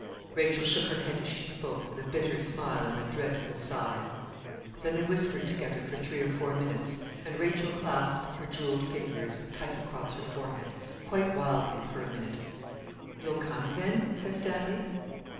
Rachel shook her head as she spoke, with a bitter smile and a dreadful sigh. Then they whispered together for three or four minutes, and Rachel clasped her jewelled fingers tight across her forehead, quite wildly, for a minute. 'You'll come then?' said Stanley.